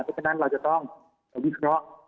เพราะฉะนั้นเราจะต้องวิเคราะห์